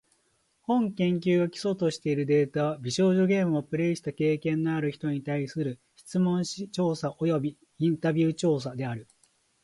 本研究が基礎としているデータは、美少女ゲームをプレイした経験のある人に対する質問紙調査およびインタビュー調査である。